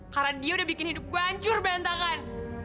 karena dia udah bikin hidup gue hancur bentakan